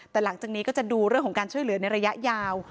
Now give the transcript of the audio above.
แต่หลังจากนี้ก็จะดูเรื่องของการช่วยเหลือในระยะยาว